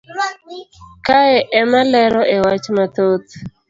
kae emalero e wach mathoth